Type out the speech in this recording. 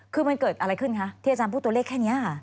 คือมันเกิดอะไรขึ้นคะที่อาจารย์พูดตัวเลขแค่นี้ค่ะ